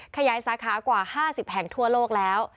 ขยายสาขากว่า๕๐แห่งทั่วโลกแล้ว